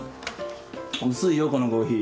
薄いよこのコーヒー。